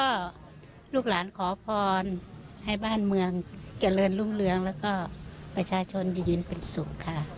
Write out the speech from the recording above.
ก็ลูกหลานขอพรให้บ้านเมืองเจริญรุ่งเรืองแล้วก็ประชาชนได้ยินเป็นสุขค่ะ